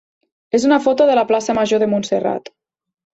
és una foto de la plaça major de Montserrat.